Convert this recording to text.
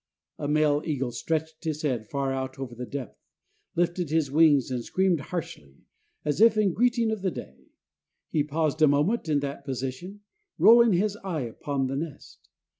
The male eagle stretched his head far out over the depth, lifted his wings and screamed harshly, as if in greeting of the day. He paused a moment in that position, rolling his eye upon the nest.